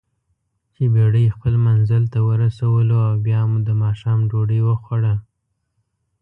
چې بېړۍ خپل منزل ته ورسولواو بیا مو دماښام ډوډۍ وخوړه.